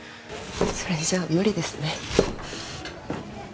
それじゃあ無理ですね